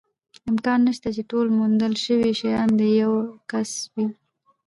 امکان نشته، چې ټول موندل شوي شیان د یوه کس وي.